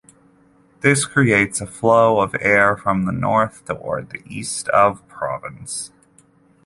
This creates a flow of air from the north toward the east of Provence.